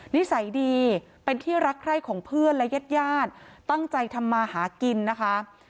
นิสัยดีเป็นที่รักใคร่ของเพื่อนและญาติญาติตั้งใจทำมาหากินนะคะ